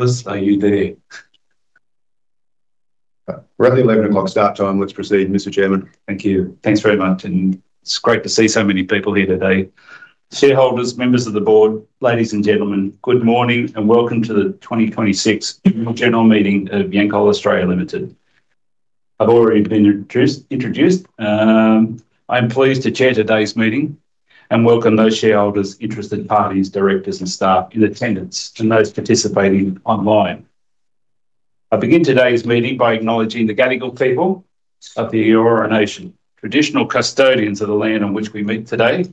Nicholas, are you there? We are at the 11:00 A.M. start time. Let's proceed, Mr. Chairman. Thank you. Thanks very much, and it is great to see so many people here today. Shareholders, members of the Board, ladies and gentlemen, good morning and welcome to the 2026 General Meeting of Yancoal Australia Limited. I have already been introduced. I am pleased to chair today's meeting and welcome those shareholders, interested parties, Directors, and staff in attendance, and those participating online. I begin today's meeting by acknowledging the Gadigal people of the Eora Nation, traditional custodians of the land on which we meet today,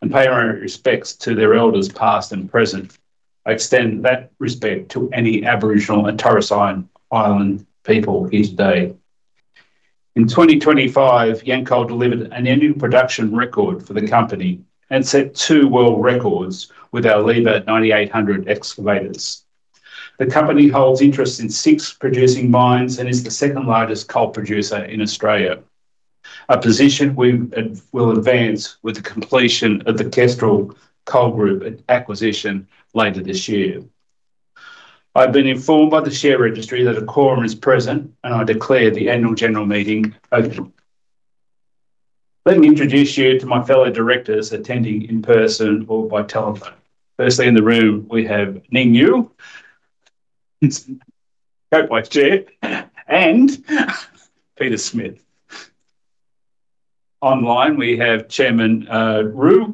and pay our respects to their Elders, past and present. I extend that respect to any Aboriginal and Torres Strait Islander people here today. In 2025, Yancoal delivered an annual production record for the company and set two world records with our Liebherr 9800 excavators. The company holds interest in six producing mines and is the second largest coal producer in Australia, a position we will advance with the completion of the Kestrel Coal Group acquisition later this year. I've been informed by the share registry that a quorum is present, and I declare the annual general meeting open. Let me introduce you to my fellow directors attending in person or by telephone. Firstly, in the room we have Ning Yue, Vice Chair, and Peter Smith. Online, we have Chairman Ru,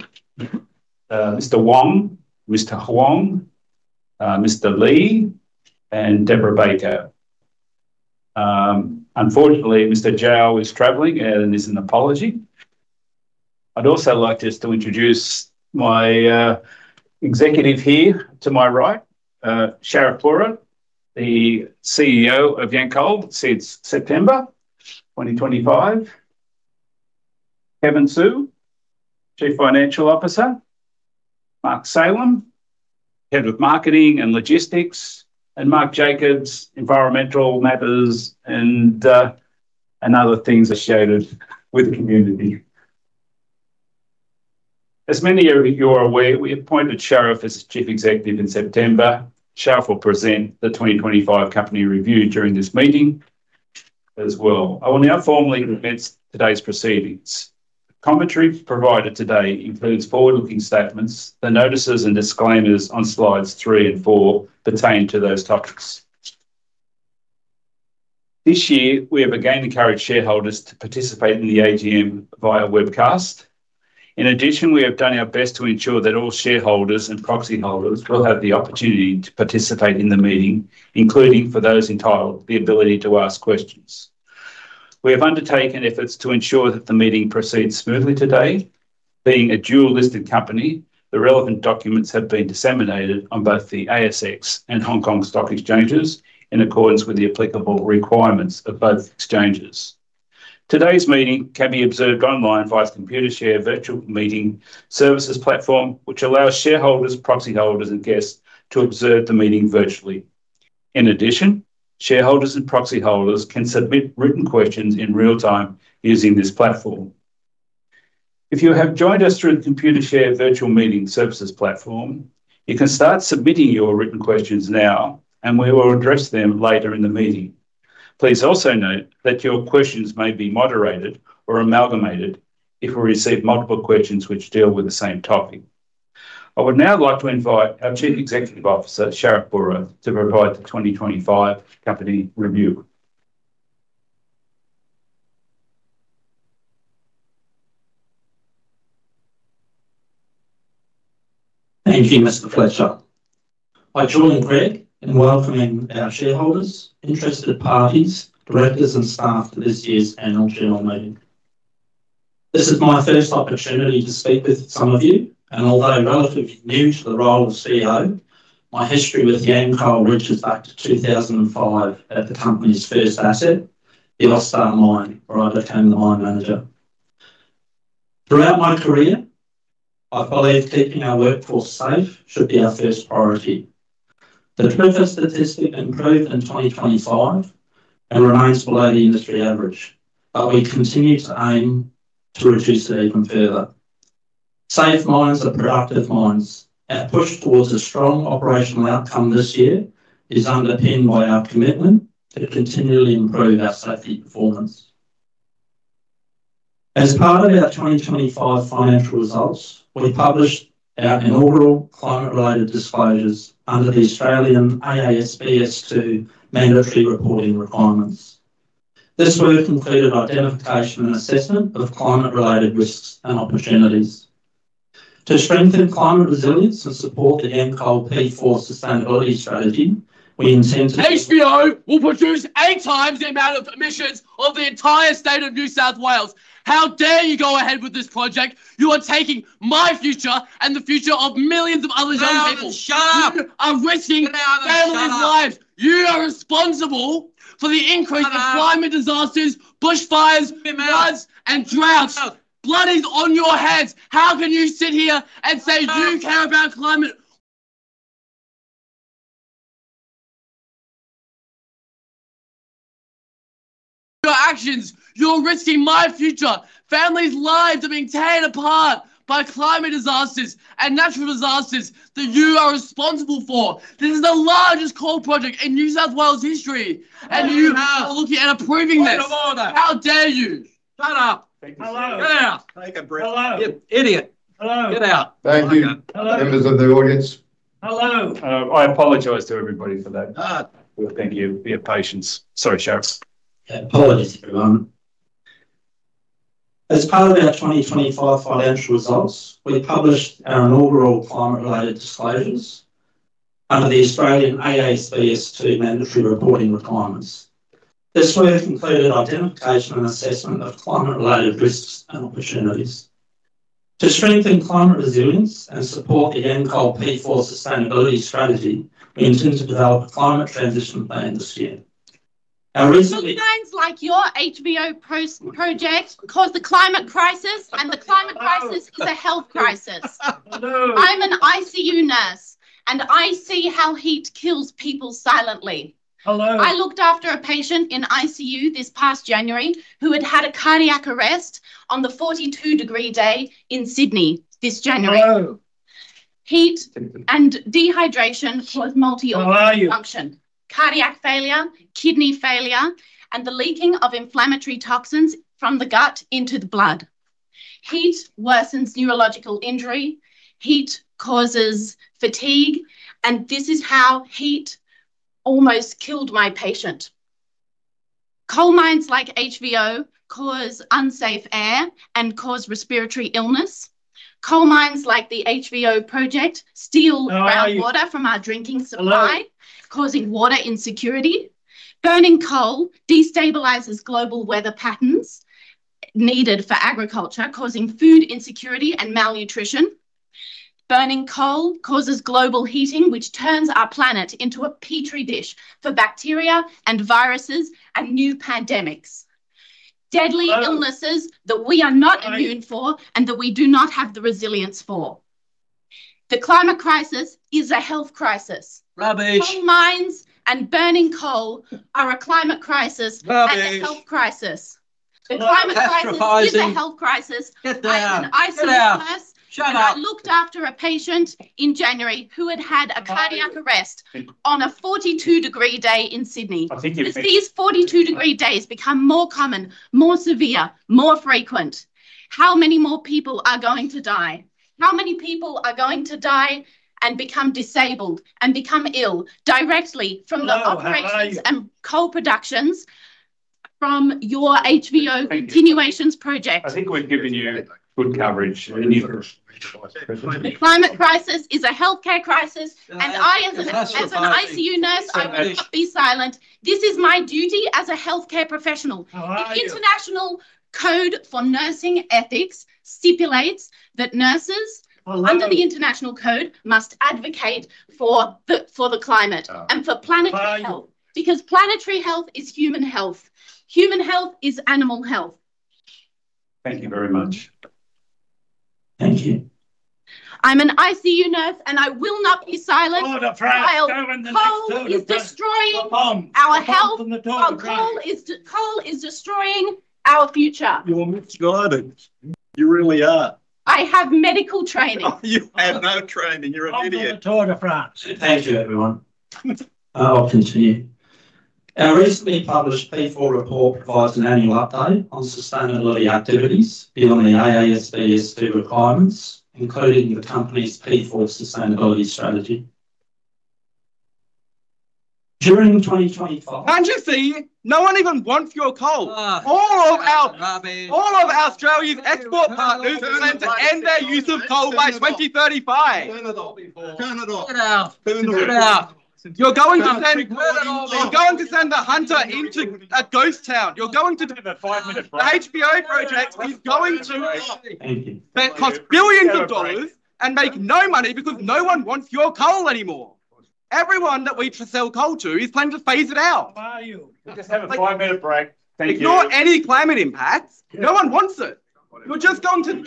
Mr. Wang, Mr. Huang, Mr. Li, and Debra Bakker. Unfortunately, Mr. Zhao is traveling and leaves an apology. I'd also like to introduce my executive here to my right, Sharif Burra, the CEO of Yancoal since September 2025, Kevin Su, Chief Financial Officer, Mark Salem, Head of Marketing and Logistics, and Mark Jacobs, environmental matters and other things associated with the community. As many of you are aware, we appointed Sharif as Chief Executive in September. Sharif will present the 2025 company review during this meeting as well. I will now formally commence today's proceedings. Commentary provided today includes forward-looking statements. The notices and disclaimers on slides three and four pertain to those topics. This year, we have again encouraged shareholders to participate in the AGM via webcast. In addition, we have done our best to ensure that all shareholders and proxy holders will have the opportunity to participate in the meeting, including, for those entitled, the ability to ask questions. We have undertaken efforts to ensure that the meeting proceeds smoothly today. Being a dual-listed company, the relevant documents have been disseminated on both the ASX and Hong Kong stock exchanges in accordance with the applicable requirements of both exchanges. Today's meeting can be observed online via Computershare virtual meeting services platform, which allows shareholders, proxy holders, and guests to observe the meeting virtually. In addition, shareholders and proxy holders can submit written questions in real time using this platform. If you have joined us through the Computershare virtual meeting services platform, you can start submitting your written questions now and we will address them later in the meeting. Please also note that your questions may be moderated or amalgamated if we receive multiple questions which deal with the same topic. I would now like to invite our Chief Executive Officer, Sharif Burra, to provide the 2025 company review. Thank you, Mr. Fletcher. I join Greg in welcoming our shareholders, interested parties, directors, and staff to this year's annual general meeting. This is my first opportunity to speak with some of you, and although relatively new to the role of CEO, my history with Yancoal reaches back to 2005 at the company's first asset, the Austar Coal Mine, where I became the mine manager. Throughout my career, I believe keeping our workforce safe should be our first priority. The TRIFR statistic improved in 2025 and remains below the industry average, but we continue to aim to reduce it even further. Safe mines are productive mines. Our push towards a strong operational outcome this year is underpinned by our commitment to continually improve our safety performance. As part of our 2025 financial results, we published our inaugural climate-related disclosures under the Australian AASB S2 mandatory reporting requirements. This work included identification and assessment of climate-related risks and opportunities. To strengthen climate resilience and support the Yancoal P4 sustainability Strategy. HVO will produce eight times the amount of emissions of the entire state of New South Wales. How dare you go ahead with this project? You are taking my future and the future of millions of other young people. Sit down and shut up. You are risking- Sit down and shut up. families' lives. You are responsible for the increase. Sit down. climate disasters, bushfires. Sit down. floods, and droughts. Sit down. Blood is on your hands. How can you sit here and say? Sit down.... you care about climate.... actions, you're risking my future. Families' lives are being torn apart by climate disasters and natural disasters that you are responsible for. This is the largest coal project in New South Wales history. You are looking at approving this. Point of order. How dare you? Shut up. Take a seat. Hello. Get out. Take a breath. Hello. You idiot. Hello. Get out. Thank you. Hello. Members of the audience. Hello. I apologize to everybody for that. We thank you for your patience. Sorry, Sharif. Apologies, everyone. As part of our 2025 financial results, we published our inaugural climate-related disclosures under the Australian AASB S2 mandatory reporting requirements. This work included identification and assessment of climate-related risks and opportunities. To strengthen climate resilience and support the Yancoal P4 sustainability strategy, we intend to develop a climate transition plan this year. Coal mines like your HVO project cause the climate crisis, and the climate crisis is a health crisis. Hello. I'm an ICU nurse, and I see how heat kills people silently. Hello. I looked after a patient in ICU this past January who had had a cardiac arrest on the 42 degree day in Sydney this January. Hello. Heat and dehydration cause multi-organ- How are you? ... function, cardiac failure, kidney failure, and the leaking of inflammatory toxins from the gut into the blood. Heat worsens neurological injury. Heat causes fatigue, and this is how heat almost killed my patient. Coal mines like HVO cause unsafe air and cause respiratory illness. Coal mines like the HVO project steal- How are you?... our water from our drinking supply- Hello.... causing water insecurity. Burning coal destabilizes global weather patterns needed for agriculture, causing food insecurity and malnutrition. Burning coal causes global heating, which turns our planet into a Petri dish for bacteria and viruses and new pandemics. Hello. Deadly illnesses that we are not immune for, and that we do not have the resilience for. The climate crisis is a health crisis. Rubbish. Coal mines and burning coal are a climate crisis. Rubbish. A health crisis. It's not catastrophizing. The climate crisis is a health crisis. Get out. Get out. I am an ICU nurse. Shut up. I looked after a patient in January who had had a cardiac arrest- How are you?... on a 42 degree day in Sydney. I think you've- As these 42 degree days become more common, more severe, more frequent, how many more people are going to die? How many people are going to die and become disabled and become ill directly from the- Hello. How are you?... operations and coal productions from your HVO Continuation Project? I think we've given you good coverage. The climate crisis is a healthcare crisis. It's catastrophizing. As an ICU nurse- You've finished.... I will not be silent. This is my duty as a healthcare professional. How are you? The International Code for Nursing Ethics stipulates that nurses- Hello.... under the international code must advocate for the climate- Oh.... for planetary health. How are you? Planetary health is human health. Human health is animal health. Thank you very much. Thank you. I'm an ICU nurse, and I will not be silent. Order. Go in the next order. While coal is destroying- The Poms.... our health. The Poms in the Tour de France. Coal is destroying our future. You're misguided. You really are. I have medical training. You have no training. You're an idiot. On with the Tour de France. Thank you, everyone. I'll continue. Our recently published P4 report provides an annual update on sustainability activities beyond the AASB S2 requirements, including the company's P4 Sustainability Strategy. During 2025- Can't you see? No one even wants your coal. All of our- Rubbish.... all of Australia's export partners plan to end their use of coal by 2035. Turn it off. Turn it off. Get out. Turn it off. Get out. You're going to send- Turn it off. You're going to send the Hunter into a ghost town. Can I have a five-minute break? The HVO project. Thank you. That cost billions of AUD and make no money because no one wants your coal anymore. Everyone that we sell coal to is planning to phase it out. How are you? Can I just have a five-minute break? Thank you. Ignore any climate impacts. No one wants it. You're just going to-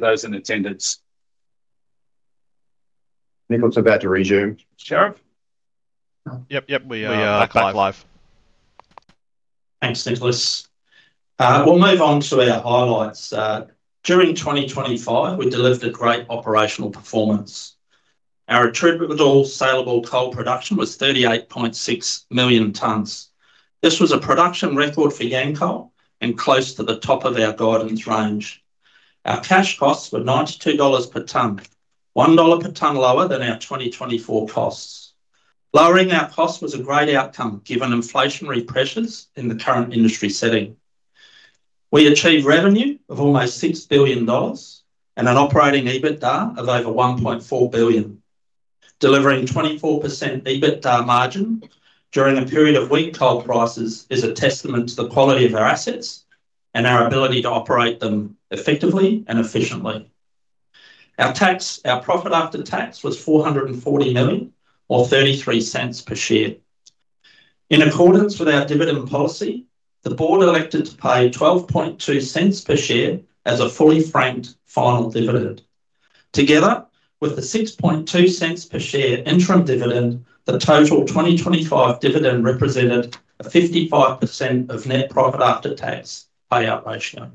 For those in attendance. I think it's about to resume, Sharif? Yep. We are back live. Thanks, Nicholas. We'll move on to our highlights. During 2025, we delivered a great operational performance. Our attributable saleable coal production was 38.6 million tonnes. This was a production record for Yancoal and close to the top of our guidance range. Our cash costs were 92 dollars per tonne, 1 dollar per tonne lower than our 2024 costs. Lowering our cost was a great outcome, given inflationary pressures in the current industry setting. We achieved revenue of almost 6 billion dollars and an operating EBITDA of over 1.4 billion. Delivering 24% EBITDA margin during a period of weak coal prices is a testament to the quality of our assets and our ability to operate them effectively and efficiently. Our profit after tax was 440 million or 0.33 per share. In accordance with our dividend policy, the Board elected to pay 0.122 per share as a fully franked final dividend. Together with the 0.062 per share interim dividend, the total 2025 dividend represented a 55% of net profit after tax payout ratio.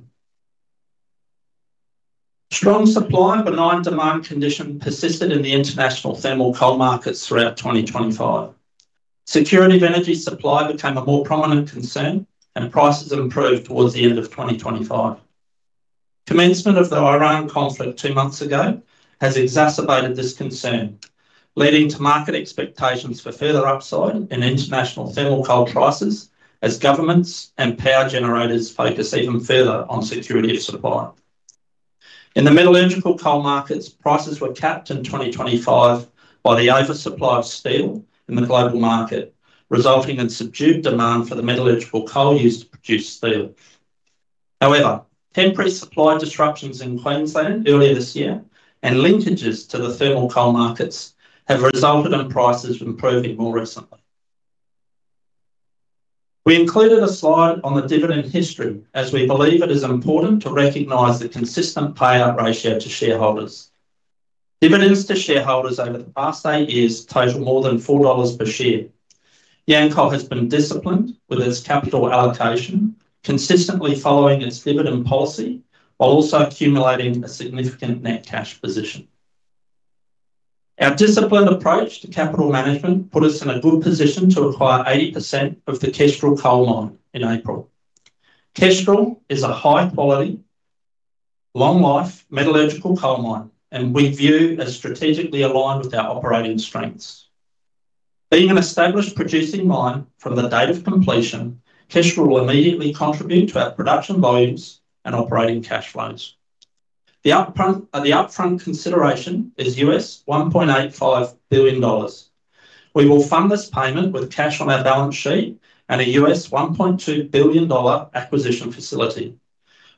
Strong supply and benign demand condition persisted in the international thermal coal markets throughout 2025. Security of energy supply became a more prominent concern, and prices have improved towards the end of 2025. Commencement of the Iran conflict two months ago has exacerbated this concern, leading to market expectations for further upside in international thermal coal prices as governments and power generators focus even further on security of supply. In the metallurgical coal markets, prices were capped in 2025 by the oversupply of steel in the global market, resulting in subdued demand for the metallurgical coal used to produce steel. However, temporary supply disruptions in Queensland earlier this year and linkages to the thermal coal markets have resulted in prices improving more recently. We included a slide on the dividend history as we believe it is important to recognize the consistent payout ratio to shareholders. Dividends to shareholders over the past eight years total more than 4 dollars per share. Yancoal has been disciplined with its capital allocation, consistently following its dividend policy while also accumulating a significant net cash position. Our disciplined approach to capital management put us in a good position to acquire 80% of the Kestrel Coal Mine in April. Kestrel is a high-quality, long life metallurgical coal mine, and we view as strategically aligned with our operating strengths. Being an established producing mine from the date of completion, Kestrel will immediately contribute to our production volumes and operating cash flows. The upfront consideration is $1.85 billion. We will fund this payment with cash on our balance sheet and a $1.2 billion acquisition facility.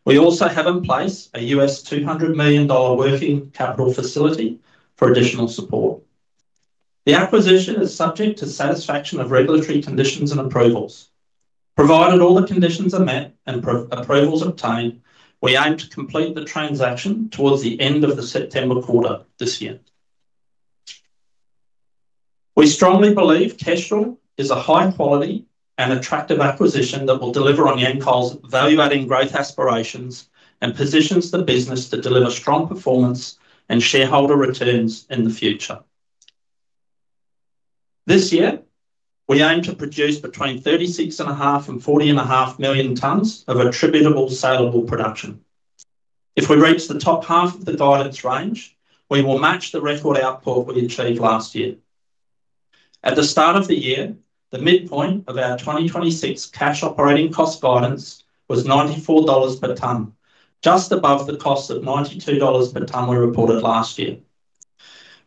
We also have in place a $200 million working capital facility for additional support. The acquisition is subject to satisfaction of regulatory conditions and approvals. Provided all the conditions are met and approvals obtained, we aim to complete the transaction towards the end of the September quarter this year. We strongly believe Kestrel is a high-quality and attractive acquisition that will deliver on Yancoal's value-adding growth aspirations, and positions the business to deliver strong performance and shareholder returns in the future. This year, we aim to produce between 36.5 and 40.5 million tonnes of attributable saleable production. If we reach the top half of the guidance range, we will match the record output we achieved last year. At the start of the year, the midpoint of our 2026 cash operating cost guidance was 94 dollars per tonne, just above the cost of 92 dollars per tonne we reported last year.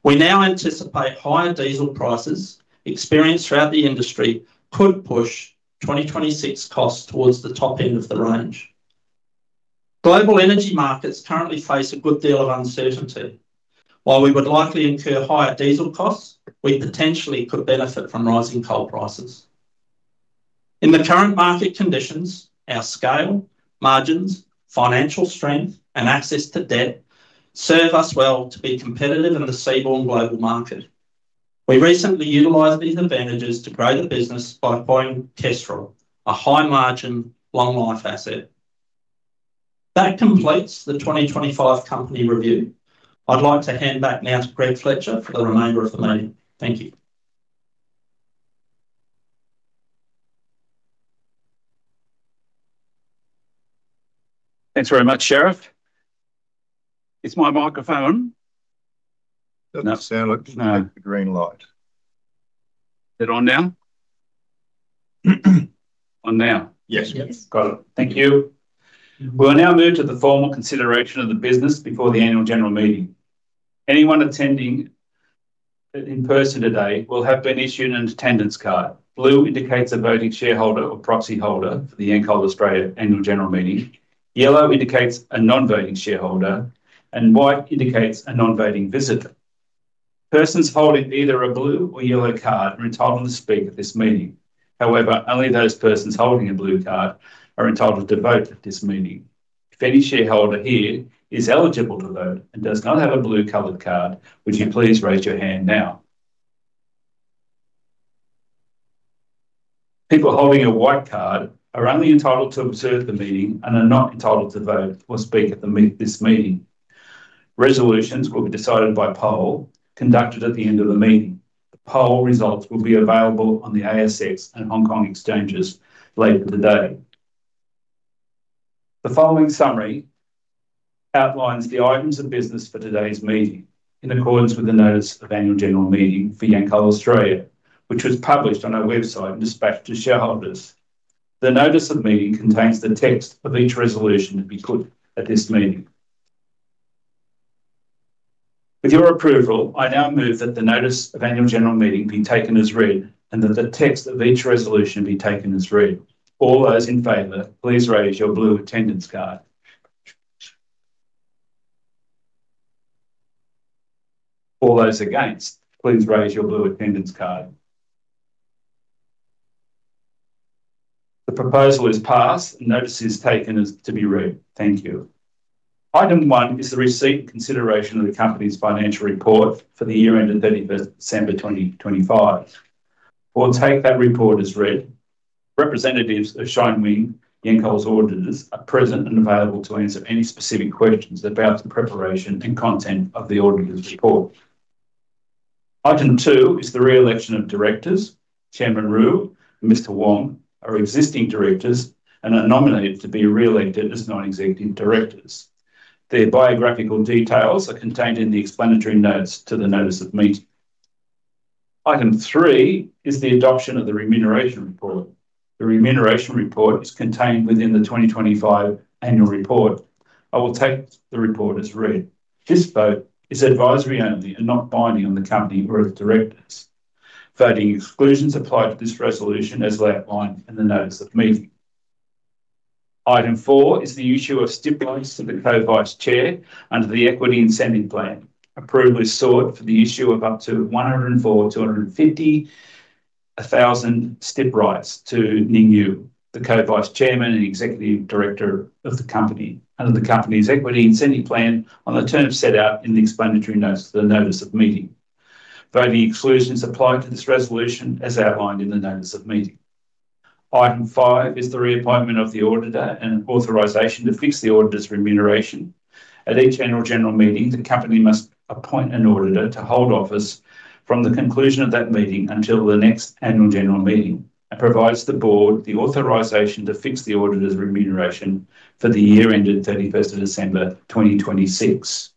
We now anticipate higher diesel prices experienced throughout the industry could push 2026 costs towards the top end of the range. Global energy markets currently face a good deal of uncertainty. While we would likely incur higher diesel costs, we potentially could benefit from rising coal prices. In the current market conditions, our scale, margins, financial strength, and access to debt serve us well to be competitive in the seaborne global market. We recently utilized these advantages to grow the business by buying Kestrel, a high-margin, long-life asset. That completes the 2025 company review. I'd like to hand back now to Greg Fletcher for the remainder of the meeting. Thank you. Thanks very much, Sharif. Is my microphone? Doesn't sound like it. No. The green light. Is it on now? On now? Yes. Yes. Got it. Thank you. We'll now move to the formal consideration of the business before the annual general meeting. Anyone attending in person today will have been issued an attendance card. Blue indicates a voting shareholder or proxy holder for the Yancoal Australia annual general meeting. Yellow indicates a non-voting shareholder, and white indicates a non-voting visitor. Persons holding either a blue or yellow card are entitled to speak at this meeting. However, only those persons holding a blue card are entitled to vote at this meeting. If any shareholder here is eligible to vote and does not have a blue-colored card, would you please raise your hand now? People holding a white card are only entitled to observe the meeting and are not entitled to vote or speak at this meeting. Resolutions will be decided by poll conducted at the end of the meeting. The poll results will be available on the ASX and Hong Kong exchanges later today. The following summary outlines the items of business for today's meeting in accordance with the notice of annual general meeting for Yancoal Australia, which was published on our website and dispatched to shareholders. The notice of meeting contains the text of each resolution to be put at this meeting. With your approval, I now move that the notice of annual general meeting be taken as read, and that the text of each resolution be taken as read. All those in favor, please raise your blue attendance card. All those against, please raise your blue attendance card. The proposal is passed and notice is taken as to be read. Thank you. Item one is the receipt and consideration of the company's financial report for the year ended 31st December 2025. We'll take that report as read. Representatives of ShineWing, Yancoal's auditors, are present and available to answer any specific questions about the preparation and content of the auditor's report. Item two is the re-election of directors. Chairman Ru and Mr. Wang are existing directors and are nominated to be re-elected as non-executive directors. Their biographical details are contained in the explanatory notes to the notice of meeting. Item three is the adoption of the remuneration report. The remuneration report is contained within the 2025 annual report. I will take the report as read. This vote is advisory only and not binding on the company or its directors. Voting exclusions apply to this resolution as outlined in the notice of meeting. Item four is the issue of STIP rights to the Co-Vice Chair under the Equity Incentive Plan. Approval is sought for the issue of up to 104,250 STIP rights to Ning Yue, the Co-Vice Chairman and Executive Director of the company, under the company's Equity Incentive Plan on the terms set out in the explanatory notes to the notice of meeting. Voting exclusions apply to this resolution as outlined in the notice of meeting. Item five is the reappointment of the auditor and authorization to fix the auditor's remuneration. At each annual general meeting, the company must appoint an auditor to hold office from the conclusion of that meeting until the next annual general meeting. It provides the Board the authorization to fix the auditor's remuneration for the year ended 31st of December 2026.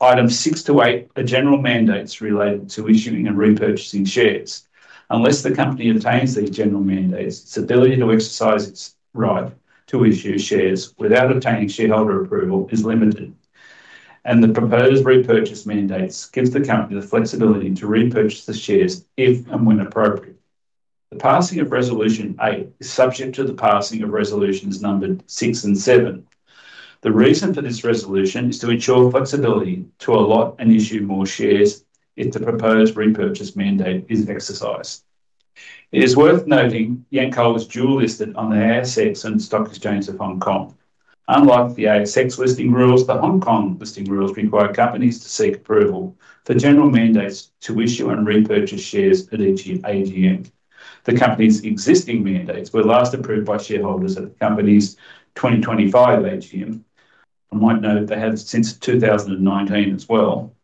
Items six to eight are general mandates related to issuing and repurchasing shares. Unless the company obtains these general mandates, its ability to exercise its right to issue shares without obtaining shareholder approval is limited, and the proposed repurchase mandates gives the company the flexibility to repurchase the shares if and when appropriate. The passing of Resolution 8 is subject to the passing of resolutions numbered six and seven. The reason for this resolution is to ensure flexibility to allot and issue more shares if the proposed repurchase mandate is exercised. It is worth noting Yancoal was dual listed on the ASX and Stock Exchange of Hong Kong. Unlike the ASX listing rules, the Hong Kong listing rules require companies to seek approval for general mandates to issue and repurchase shares at each AGM. The company's existing mandates were last approved by shareholders at the company's 2025 AGM. I might note they have since 2019 as well.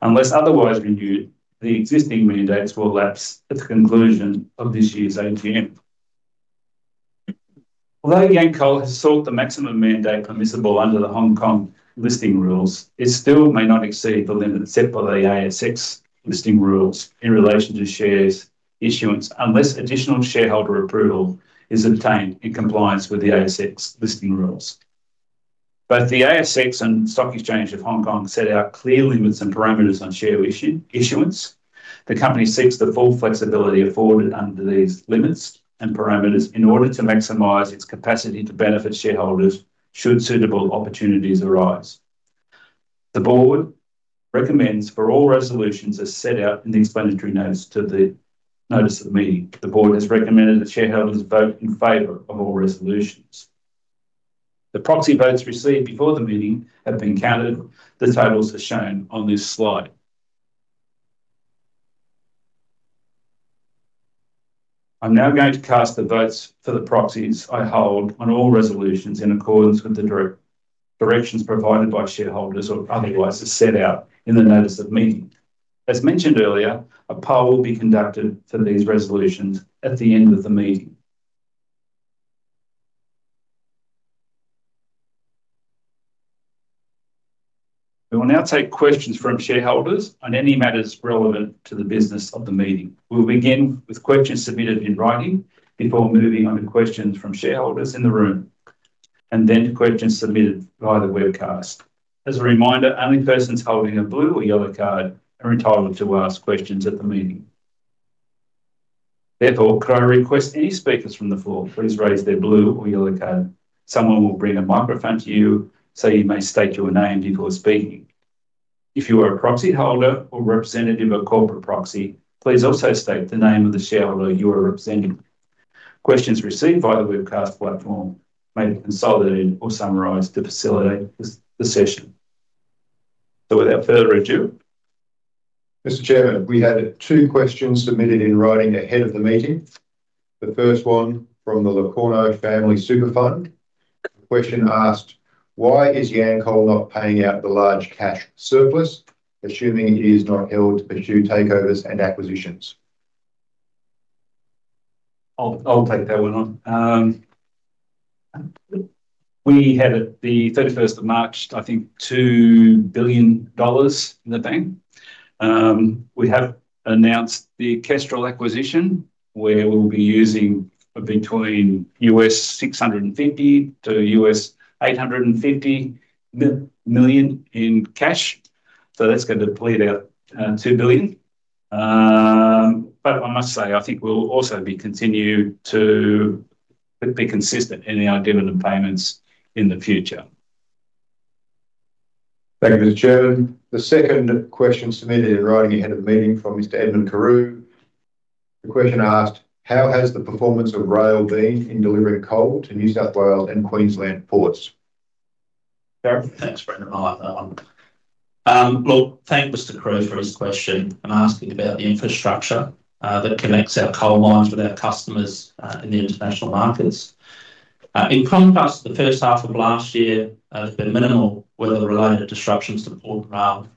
Unless otherwise renewed, the existing mandates will lapse at the conclusion of this year's AGM. Although Yancoal has sought the maximum mandate permissible under the Hong Kong listing rules, it still may not exceed the limit set by the ASX listing rules in relation to shares issuance, unless additional shareholder approval is obtained in compliance with the ASX listing rules. Both the ASX and Stock Exchange of Hong Kong set out clear limits and parameters on share issuance. The company seeks the full flexibility afforded under these limits and parameters in order to maximize its capacity to benefit shareholders should suitable opportunities arise. The Board recommends for all resolutions as set out in the explanatory notes to the notice of the meeting. The Board has recommended that shareholders vote in favor of all resolutions. The proxy votes received before the meeting have been counted. The totals are shown on this slide. I'm now going to cast the votes for the proxies I hold on all resolutions in accordance with the directions provided by shareholders or otherwise as set out in the notice of meeting. As mentioned earlier, a poll will be conducted to these resolutions at the end of the meeting. We will now take questions from shareholders on any matters relevant to the business of the meeting. We'll begin with questions submitted in writing before moving on to questions from shareholders in the room, and then to questions submitted via the webcast. As a reminder, only persons holding a blue or yellow card are entitled to ask questions at the meeting. Therefore, could I request any speakers from the floor, please raise their blue or yellow card. Someone will bring a microphone to you so you may state your name before speaking. If you are a proxy holder or representative of corporate proxy, please also state the name of the shareholder you are representing. Questions received via the webcast platform may be consolidated or summarized to facilitate the session. Without further ado. Mr. Chairman, we had two questions submitted in writing ahead of the meeting. The first one from the Le Cornu Family Super Fund. The question asked, "Why is Yancoal not paying out the large cash surplus, assuming it is not held to pursue takeovers and acquisitions? I'll take that one on. We had at the 31st of March, I think 2 billion dollars in the bank. We have announced the Kestrel acquisition where we'll be using between $650 million-$850 million in cash, that's going to deplete our 2 billion. I must say, I think we'll also continue to be consistent in our dividend payments in the future. Thank you, Mr. Chairman. The second question submitted in writing ahead of the meeting from Mr. Edmund Carew. The question asked, "How has the performance of rail been in delivering coal to New South Wales and Queensland ports? Sharif? Thanks, Greg. I'll take that one. Well, thank Mr. Carew for his question and asking about the infrastructure that connects our coal mines with our customers in the international markets. In contrast to the first half of last year, there's been minimal weather-related disruptions to port ROM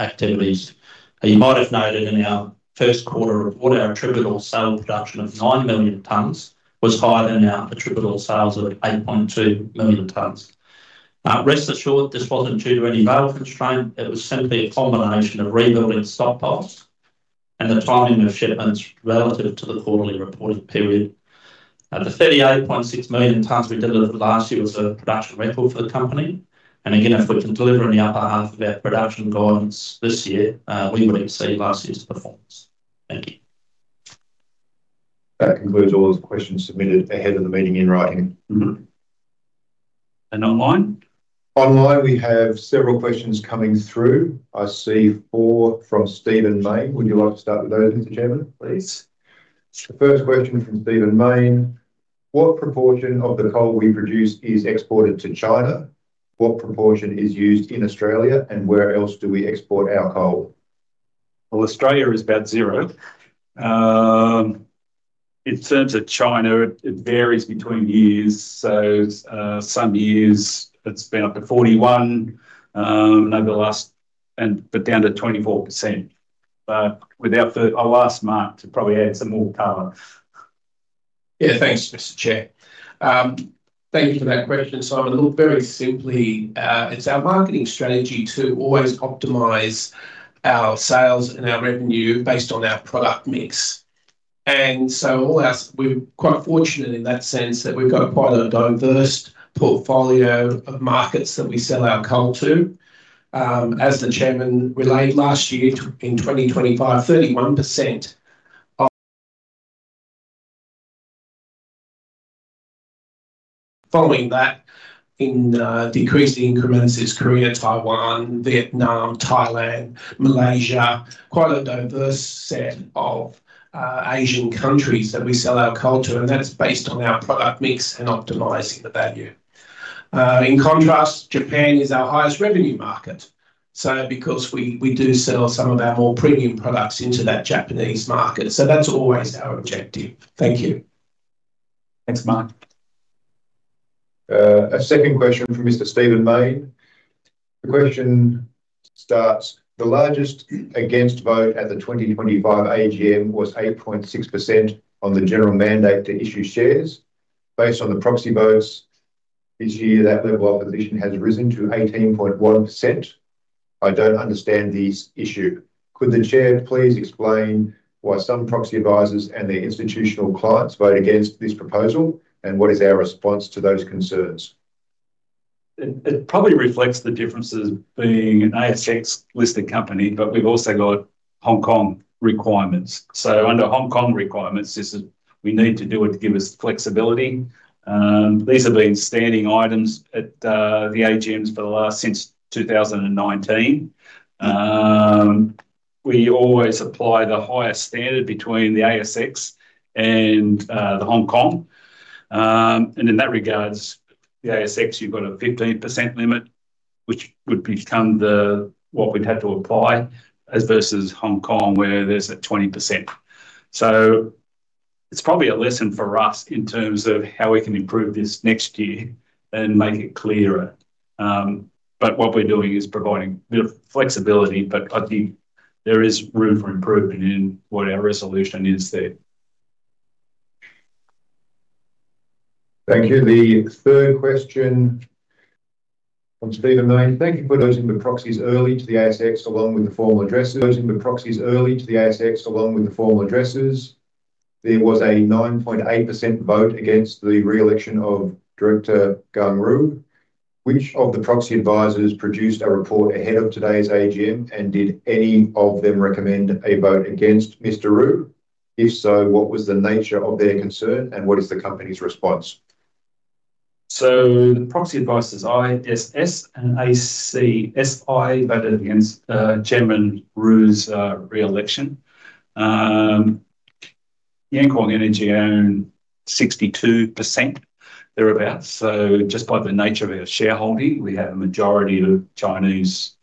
activities. You might have noted in our first quarter report, our attributable sale production of 9 million tons was higher than our attributable sales of 8.2 million tons. Rest assured, this wasn't due to any rail constraint, it was simply a combination of rebuilding stockpiles and the timing of shipments relative to the quarterly reporting period. The 38.6 million tons we delivered last year was a production record for the company. Again, if we can deliver in the upper half of our production guidance this year, we will exceed last year's performance. Thank you. That concludes all the questions submitted ahead of the meeting in writing. Mm-hmm. Online? Online, we have several questions coming through. I see four from Stephen Mayne. Would you like to start with those, Mr. Chairman? Please. The first question from Stephen Mayne, "What proportion of the coal we produce is exported to China? What proportion is used in Australia, and where else do we export our coal? Well, Australia is about zero. In terms of China, it varies between years. Some years it's been up to 41, but down to 24%. I'll ask Mark to probably add some more color. Yeah, thanks, Mr. Chair. Thank you for that question, Stephen. Look, very simply, it's our marketing strategy to always optimize our sales and our revenue based on our product mix. We're quite fortunate in that sense that we've got quite a diverse portfolio of markets that we sell our coal to. As the chairman relayed last year, in 2025, 31% of. Following that, in decreasing increments, is Korea, Taiwan, Vietnam, Thailand, Malaysia. Quite a diverse set of Asian countries that we sell our coal to, and that's based on our product mix and optimizing the value. In contrast, Japan is our highest revenue market, because we do sell some of our more premium products into that Japanese market. That's always our objective. Thank you. Thanks, Mark. A second question from Mr. Stephen Mayne. The question starts, "The largest against vote at the 2025 AGM was 8.6% on the general mandate to issue shares. Based on the proxy votes this year, that level of opposition has risen to 18.1%. I don't understand this issue. Could the Chair please explain why some proxy advisors and their institutional clients vote against this proposal, and what is our response to those concerns? It probably reflects the differences being an ASX-listed company, but we've also got Hong Kong requirements. Under Hong Kong requirements, we need to do it to give us flexibility. These have been standing items at the AGMs since 2019. We always apply the highest standard between the ASX and the Hong Kong. In that regards, the ASX, you've got a 15% limit, which would become what we'd have to apply, as versus Hong Kong, where there's a 20%. It's probably a lesson for us in terms of how we can improve this next year and make it clearer. What we're doing is providing a bit of flexibility, but I think there is room for improvement in what our resolution is there. Thank you. The third question from Stephen Mayne. Thank you for lodging the proxies early to the ASX along with the formal addresses. There was a 9.8% vote against the re-election of Director Gang Ru. Which of the proxy advisors produced a report ahead of today's AGM, and did any of them recommend a vote against Mr. Ru? If so, what was the nature of their concern, and what is the company's response? The proxy advisors ISS and ACSI voted against Chairman Ru's re-election. Yankuang Energy own 62%, thereabout, so just by the nature of our shareholding, we have a majority of Chinese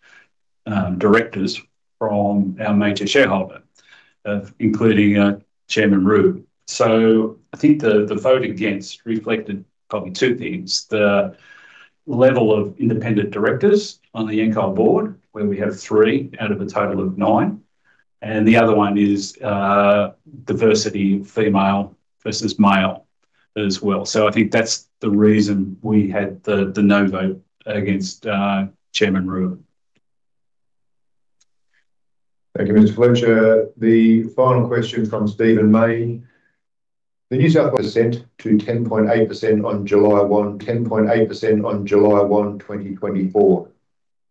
directors from our major shareholder, including Chairman Ru. I think the vote against reflected probably two things. The level of independent directors on the Yancoal Board, where we have three out of a total of nine, and the other one is diversity, female versus male as well. I think that's the reason we had the no vote against Chairman Ru. Thank you, Mr. Fletcher. The final question from Stephen Mayne. The New South Wales ascent to 10.8% on July 1, 2024.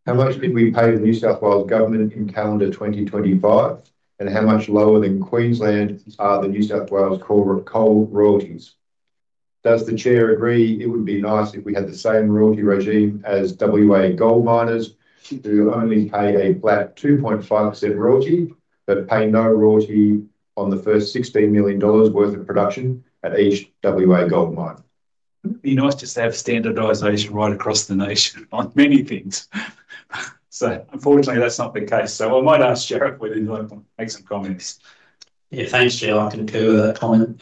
How much did we pay the New South Wales government in calendar 2025, and how much lower than Queensland are the New South Wales coal royalties? Does the Chair agree it would be nice if we had the same royalty regime as W.A. gold miners, who only pay a flat 2.5% royalty but pay no royalty on the first 16 million dollars worth of production at each W.A. gold mine? It'd be nice just to have standardization right across the nation on many things. Unfortunately, that's not the case. I might ask Sharif whether you'd like to make some comments. Thanks, Chair. I concur that comment.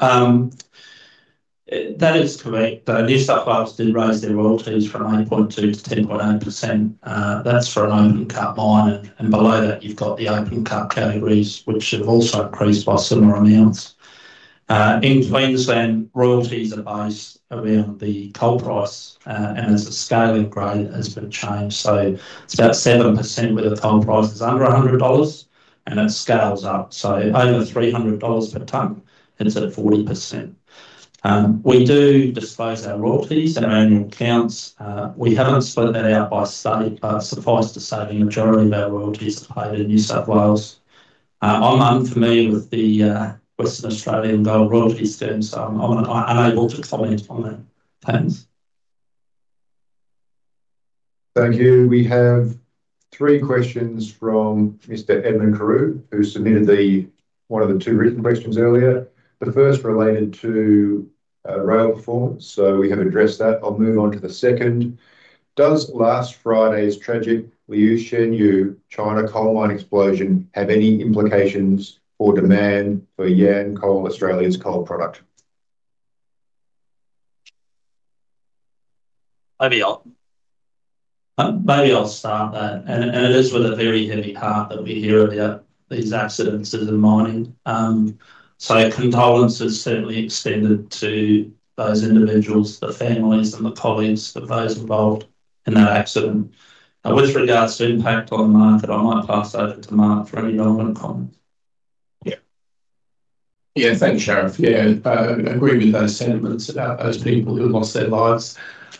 That is correct, though. New South Wales did raise their royalties from 8.2% to 10.8%. That's for an open cut mine. Below that you've got the open cut categories, which have also increased by similar amounts. In Queensland, royalties are based around the coal price, and as the scale in grade has been changed. It's about 7% where the coal price is under 100 dollars, and it scales up. Over 300 dollars per ton, it's at 40%. We do disclose our royalties in our annual accounts. We haven't split that out by state, but suffice to say, the majority of our royalties are paid in New South Wales. I'm unfamiliar with the Western Australian gold royalties terms, so I'm unable to comment on that, thanks. Thank you. We have three questions from Mr. Edmund Carew, who submitted one of the two written questions earlier. The first related to rail performance, so we have addressed that. I'll move on to the second. Does last Friday's tragic Liushenyu China coal mine explosion have any implications for demand for Yancoal Australia's coal product? Maybe I'll start that. It is with a very heavy heart that we hear about these accidents that are in mining. Condolences certainly extended to those individuals, the families, and the colleagues of those involved in that accident. With regards to impact on the market, I might pass over to Mark for any relevant comments. Yeah, thanks, Sharif. Agree with those sentiments about those people who have lost their lives.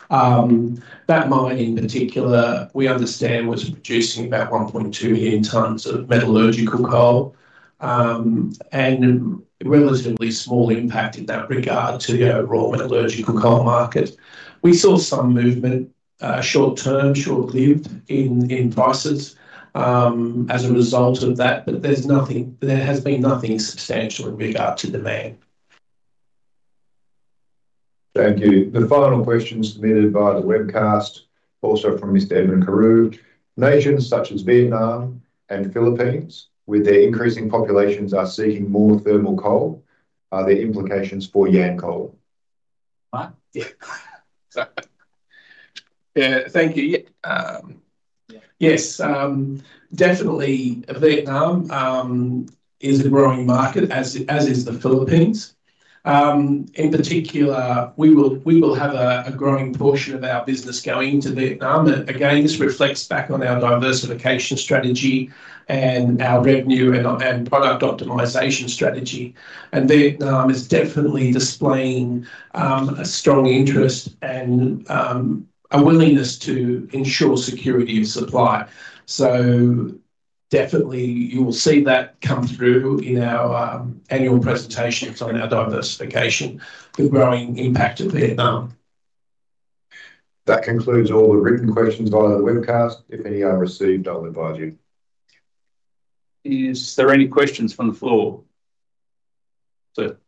That mine in particular, we understand was producing about 1.2 million tonnes of metallurgical coal, relatively small impact in that regard to the overall metallurgical coal market. We saw some movement, short term, short lived in prices, as a result of that. There has been nothing substantial in regard to demand. Thank you. The final question submitted via the webcast also from Mr. Edmund Carew. Nations such as Vietnam and Philippines, with their increasing populations, are seeking more thermal coal. Are there implications for Yancoal? Mark? Yeah. Yeah. Thank you. Yeah. Yeah. Yes, definitely Vietnam is a growing market as is the Philippines. In particular, we will have a growing portion of our business going to Vietnam. Again, this reflects back on our diversification strategy and our revenue and product optimization strategy. Vietnam is definitely displaying a strong interest and a willingness to ensure security of supply. Definitely you will see that come through in our annual presentations on our diversification, the growing impact of Vietnam. That concludes all the written questions via the webcast. If any are received, I'll advise you. Is there any questions from the floor? Sir.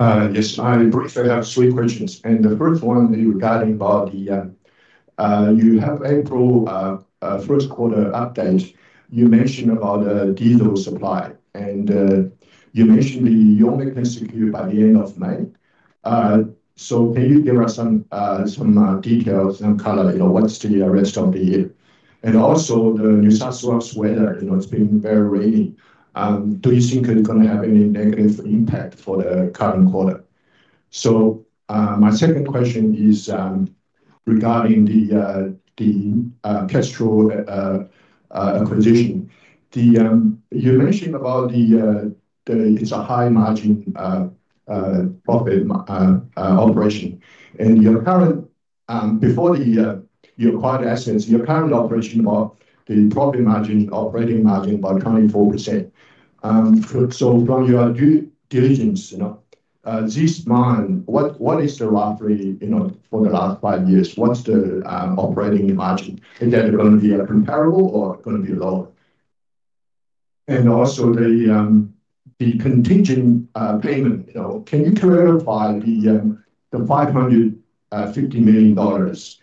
Yes. I briefly have three questions. The first one regarding the, you have April first quarter update. You mentioned diesel supply. You mentioned you secured by the end of May. Can you give us some details and color, what's the rest of the year? Also the New South Wales weather, it's been very rainy. Do you think it's going to have any negative impact for the current quarter? My second question is regarding the Kestrel acquisition. You mentioned it's a high margin profit operation. Before the acquired assets, your current operation the profit margin, operating margin 24%. From your due diligence this mine, what is roughly, for the last five years, what's the operating margin? Is that going to be comparable or going to be lower? Also the contingent payment. Can you clarify the 550 million dollars?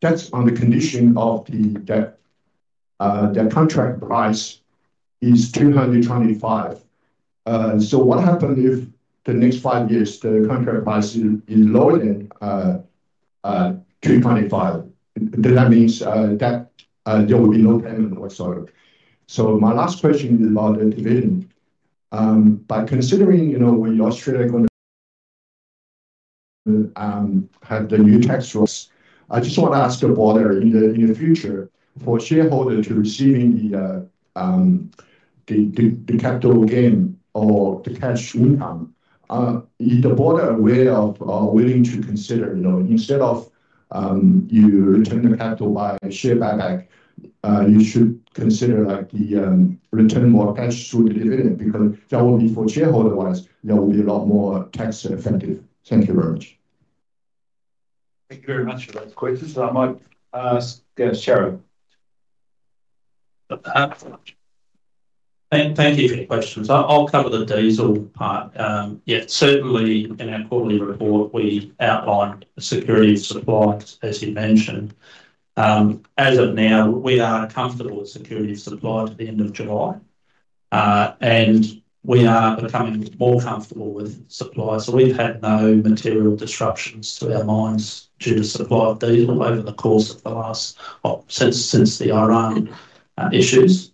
That's on the condition of the contract price is 225. What happen if the next five years the contract price is lower than 225? Does that means that there will be no payment whatsoever? My last question is about the dividend. By considering when Australia going to have the new tax rules, I just want to ask your Board in the future for shareholder to receiving the capital gain or the cash income, is the Board aware of or willing to consider, instead of you return the capital by share buyback, you should consider like the return more cash through dividend because that will be for shareholder wise, that will be a lot more tax effective. Thank you very much. Thank you very much for those questions. I might ask Sharif. Thank you for your questions. I'll cover the diesel part. Yeah, certainly in our quarterly report, we outlined security of supply, as you mentioned. As of now, we are comfortable with security of supply to the end of July, and we are becoming more comfortable with supply. We've had no material disruptions to our mines due to supply of diesel over the course of the last Well, since the Iran issues.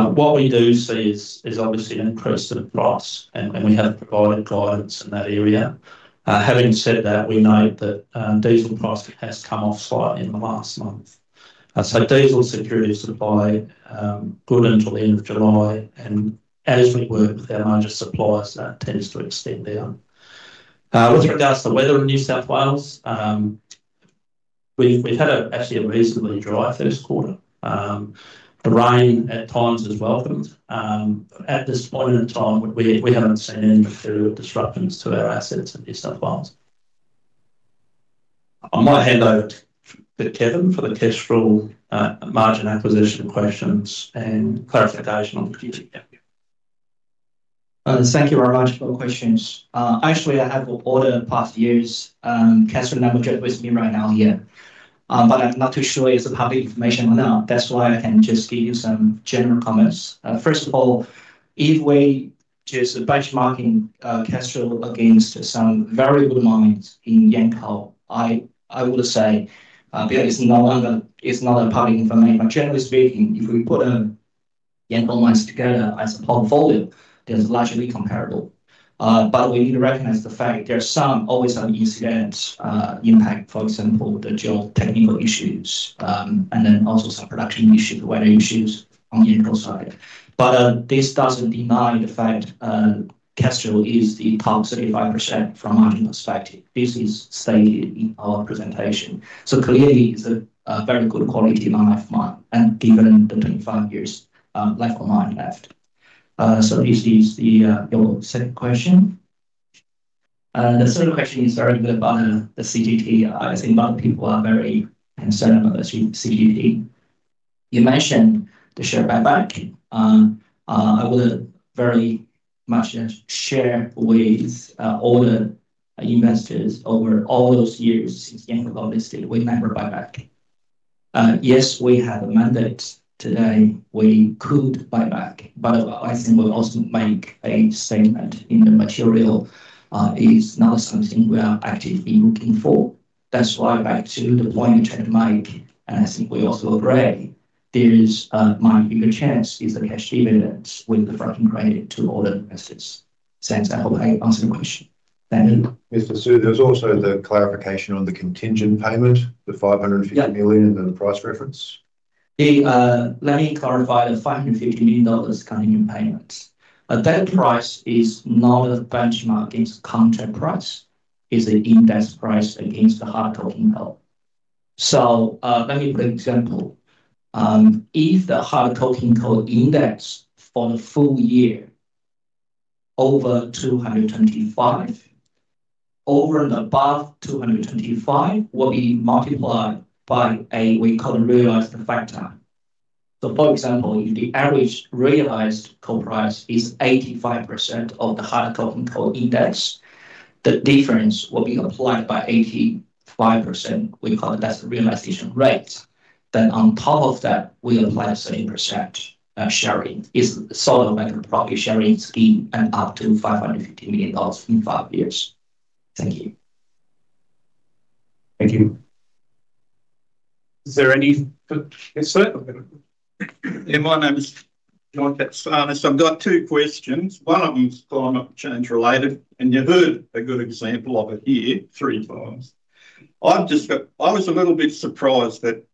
What we do see is obviously an increase to the price and we have provided guidance in that area. Having said that, we note that diesel price has come off slightly in the last month. Diesel security of supply, good until the end of July. As we work with our major suppliers, that tends to extend out. With regards to weather in New South Wales, we've had actually a reasonably dry first quarter. The rain at times is welcomed. At this point in time, we haven't seen any material disruptions to our assets in New South Wales. I might hand over to Kevin for the Kestrel margin acquisition questions and clarification on the dividend. Thank you very much for the questions. Actually, I have all the past years' Kestrel numbers with me right now here. I'm not too sure it's public information or not. That's why I can just give you some general comments. First of all, Just benchmarking Kestrel against some very good mines in Yancoal. I would say that it's not public information, but generally speaking, if we put Yancoal mines together as a portfolio, they're largely comparable. We need to recognize the fact there are always some incidents impact, for example, the geotechnical issues, and then also some production issue, weather issues on the internal side. This doesn't deny the fact Kestrel is the top 35% from a margin perspective. This is stated in our presentation. Clearly, it's a very good quality mine life mine and given the 25 years life of mine left. This is your second question. The third question is very good about the CGT. I think a lot of people are very concerned about the CGT. You mentioned the share buyback. I would very much share with all the investors over all those years since Yancoal listed, we never buy back. Yes, we have a mandate today, we could buy back. I think we also make a statement in the material, it's not something we are actively looking for. That's why back to the point you trying to make, and I think we also agree, there is a much bigger chance is the cash dividends with the franking credit to all the investors. Since I hope I answered your question. Thank you. Mr. Su, there was also the clarification on the contingent payment, the 550 million. Yeah. The price reference. Let me clarify. The 550 million dollars is contingent payment. That price is not a benchmark against contract price. It's an index price against the hard coking coal. Let me give an example. If the hard coking coal index for the full year over 225, over and above 225 will be multiplied by a, we call it realized factor. For example, if the average realized coal price is 85% of the hard coking coal index, the difference will be applied by 85%. We call it that's the realization rate. On top of that, we apply 30% sharing. Is solid metal profit sharing scheme and up to 550 million dollars in five years. Thank you. Thank you. Yes, sir. Yeah, my name is John Katsanis. I've got two questions. One of them is climate change related, and you heard a good example of it here three times. I was a little bit surprised that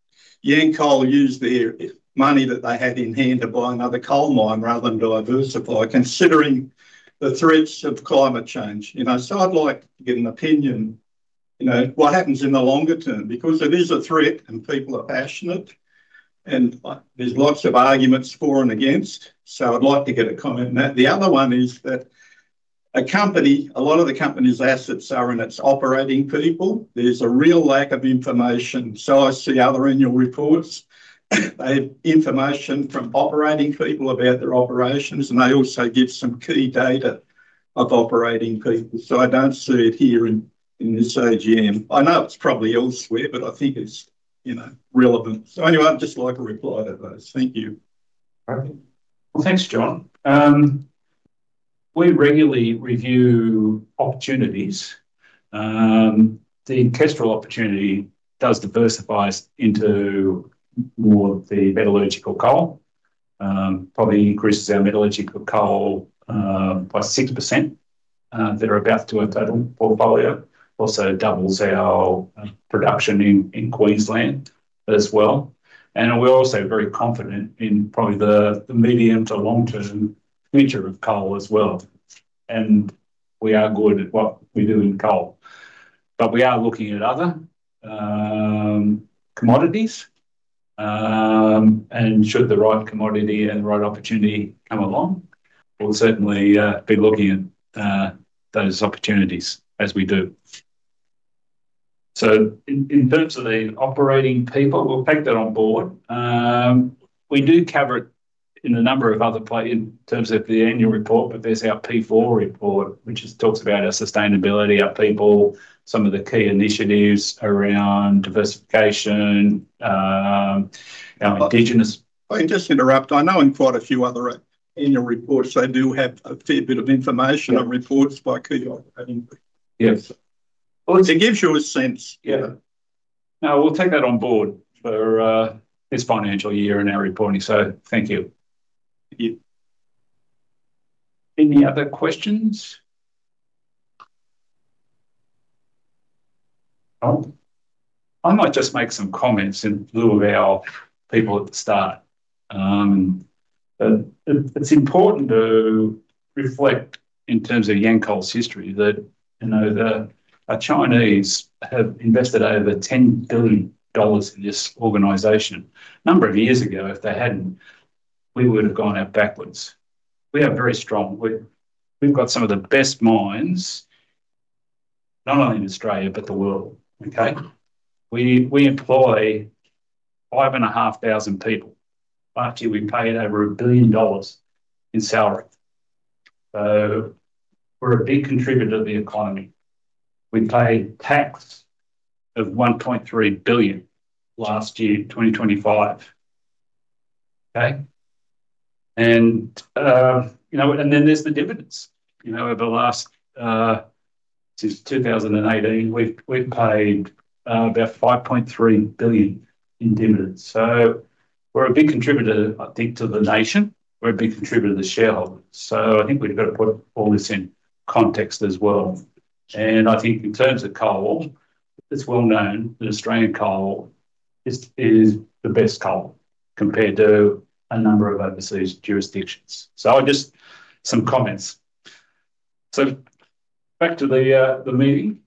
Yancoal used their money that they had in hand to buy another coal mine rather than diversify, considering the threats of climate change. I'd like to get an opinion, what happens in the longer term because it is a threat and people are passionate, and there's lots of arguments for and against. I'd like to get a comment on that. The other one is that a company, a lot of the company's assets are in its operating people. There's a real lack of information. I see other annual reports, they have information from operating people about their operations, and they also give some key data of operating people. I don't see it here in this AGM. I know it's probably elsewhere, but I think it's relevant. Anyway, I'd just like a reply to those. Thank you. Well, thanks, John. We regularly review opportunities. The Kestrel opportunity does diversify us into more of the metallurgical coal. Probably increases our metallurgical coal by 6% that are about to our total portfolio. Also doubles our production in Queensland as well. We're also very confident in probably the medium to long-term future of coal as well. We are good at what we do in coal. We are looking at other commodities, and should the right commodity and the right opportunity come along, we'll certainly be looking at those opportunities as we do. In terms of the operating people, we'll take that on board. We do cover it in a number of other in terms of the annual report, but there's our P4 report, which just talks about our sustainability, our people, some of the key initiatives around diversification, our Indigenous- If I can just interrupt. I know in quite a few other annual reports, they do have a fair bit of information on reports by key operating people. Yes. It gives you a sense. We'll take that on board for this financial year in our reporting. Thank you. Any other questions? I might just make some comments in lieu of our people at the start. It's important to reflect in terms of Yancoal's history that the Chinese have invested over 10 billion dollars in this organization. A number of years ago, if they hadn't, we would've gone out backwards. We've got some of the best mines not only in Australia but the world. Okay? We employ 5,500 people. Last year we paid over 1 billion dollars in salary. We're a big contributor to the economy. We paid tax of 1.3 billion last year, 2025. Okay? There's the dividends. Over since 2018, we've paid about 5.3 billion in dividends. We're a big contributor, I think, to the nation, we're a big contributor to shareholders. I think we've got to put all this in context as well. I think in terms of coal, it's well-known that Australian coal is the best coal compared to a number of overseas jurisdictions. Just some comments. Back to the meeting.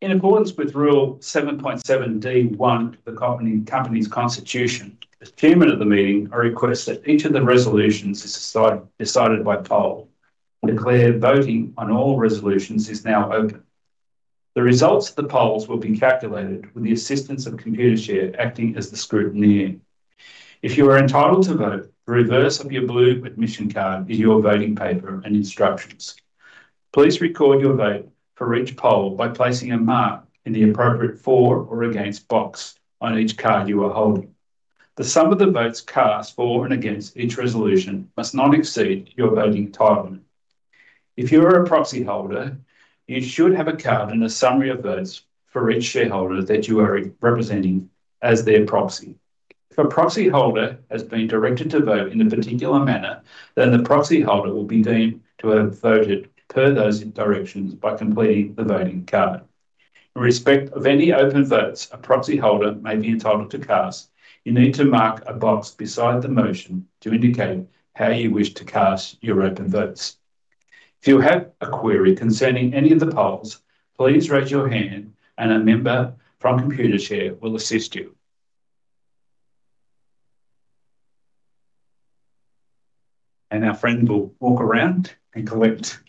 In accordance with Rule 7.7(d)(1) of the company's constitution, as Chairman of the meeting, I request that each of the resolutions is decided by poll. I declare voting on all resolutions is now open. The results of the polls will be calculated with the assistance of Computershare acting as the scrutineer. If you are entitled to vote, the reverse of your blue admission card is your voting paper and instructions. Please record your vote for each poll by placing a mark in the appropriate for or against box on each card you are holding. The sum of the votes cast for and against each resolution must not exceed your voting entitlement. If you are a proxy holder, you should have a card and a summary of votes for each shareholder that you are representing as their proxy. If a proxy holder has been directed to vote in a particular manner, then the proxy holder will be deemed to have voted per those directions by completing the voting card. In respect of any open votes a proxy holder may be entitled to cast, you need to mark a box beside the motion to indicate how you wish to cast your open votes. If you have a query concerning any of the polls, please raise your hand and a member from Computershare will assist you. Our friend will walk around and collect.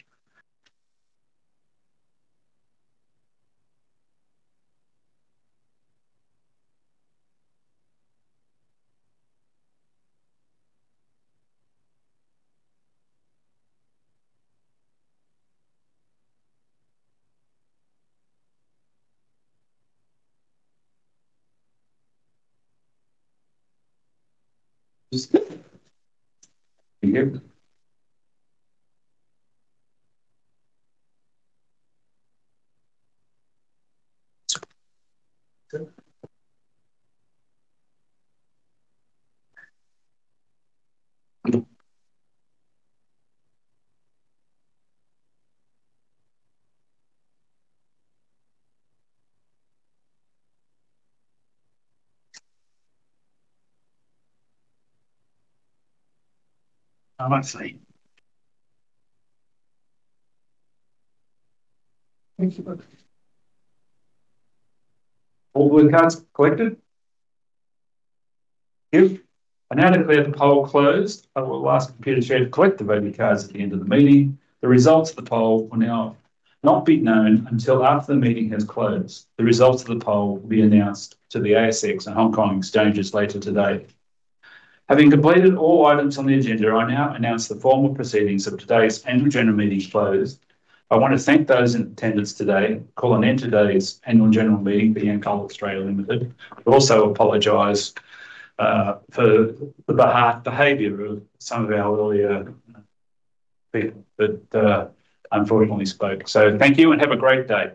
This good? Thank you. Good. I see. Thank you, brother. All blue cards collected? Thank you. I now declare the poll closed. I will ask Computershare to collect the voting cards at the end of the meeting. The results of the poll will now not be known until after the meeting has closed. The results of the poll will be announced to the ASX and Hong Kong Exchanges later today. Having completed all items on the agenda, I now announce the formal proceedings of today's annual general meeting is closed. I want to thank those in attendance today and call an end to today's annual general meeting for Yancoal Australia Limited. I also apologize for the bad behavior of some of our people that unfortunately spoke. Thank you and have a great day.